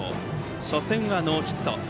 初戦はノーヒット。